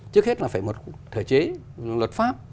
trước hết là phải một thể chế luật pháp